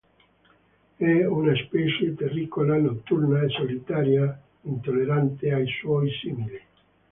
È una specie terricola, notturna e solitaria, intollerante ai suoi simili.